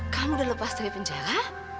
kamu udah lepas dari penjara